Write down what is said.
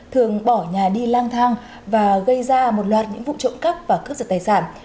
thường bỏ nhà đi lang thang và gây ra một loạt những vụ trộm cắp và cướp giật tài sản